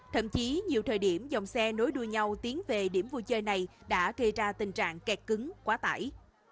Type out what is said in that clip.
thậm chí nhiều thời điểm dòng xe nối đuôi nhau tiến về điểm vui chơi này đã gây ra tình trạng kẹt cứng quá tải